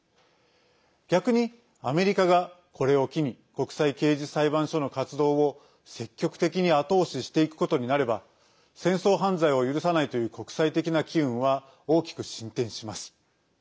逆にアメリカが、これを機に国際刑事裁判所の活動を積極的に後押ししていくことになれば戦争犯罪を許さないという国際的な機運は大きく進展します。